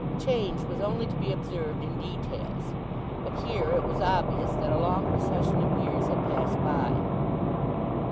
Change was only to be observed in details; but here it was obvious that a long procession of years had passed by.